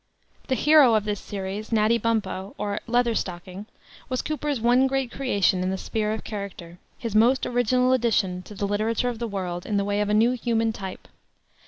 The hero of this series, Natty Bumpo, or "Leatherstocking," was Cooper's one great creation in the sphere of character, his most original addition to the literature of the world in the way of a new human type.